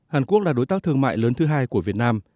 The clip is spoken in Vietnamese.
hàn quốc là đối tác thương mại lớn thứ hai của việt nam